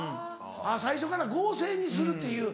最初から合成にするっていう。